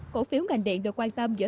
cổ phiếu ngành điện được quan tâm giữa